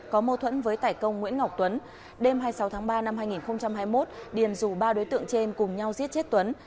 có mâu thuẫn với tài công nguyễn ngọc tuấn